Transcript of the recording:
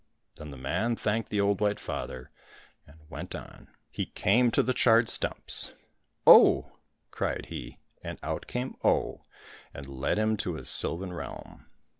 Then the man thanked the old white father and went on. He came to the charred stumps. " Oh !" cried he, and out came Oh and led him to his sylvan realm.